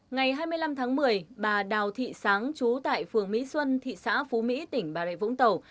ngày hai mươi năm tháng một mươi bà đào thị sáng chú tại phường mỹ xuân thị xã phú mỹ tỉnh bà rệ vũng tàu